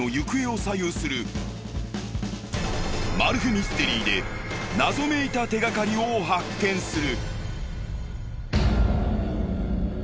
ミステリーで謎めいた手がかりを発見する。